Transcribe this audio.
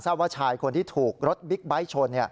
ว่าชายคนที่ถูกรถบิ๊กไบท์ชน